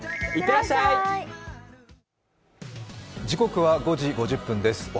時刻は５時５０分です。